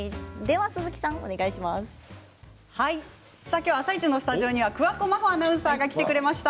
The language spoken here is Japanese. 今日は「あさイチ」のスタジオに桑子真帆アナウンサーが来てくれました。